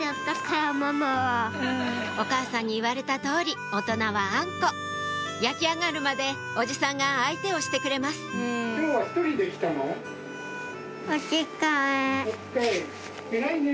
お母さんに言われた通り大人はあんこ焼き上がるまでおじさんが相手をしてくれますおつかい。